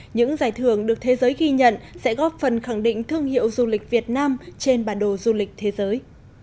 những giải thưởng được thế giới ghi nhận sẽ góp phần khẳng định thương hiệu du lịch việt nam trên bản đồ du lịch thế giới